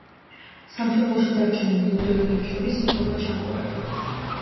სამშობლოში დარჩენილ იუდეველებს შორის მტრობა ჩამოვარდა.